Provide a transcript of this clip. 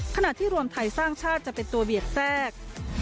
ขณะที่รวมไทยสร้างชาติจะเป็นตัวเบียดแทรก